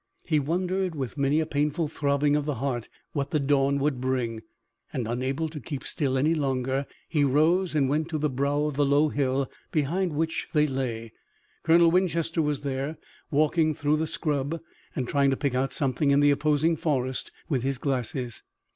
He wondered with many a painful throbbing of the heart what the dawn would bring, and, unable to keep still any longer, he rose and went to the brow of the low hill, behind which they lay. Colonel Winchester was there walking through the scrub and trying to pick out something in the opposing forest with his glasses.